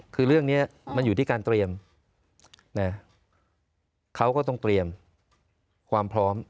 คือเรื่องนี้มันอยู่ที่การเตรียมนะเขาก็ต้องเตรียมความพร้อม